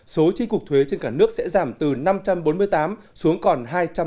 số tri cục thuế trên cả nước sẽ giảm từ năm trăm bốn mươi tám xuống còn hai trăm năm mươi bảy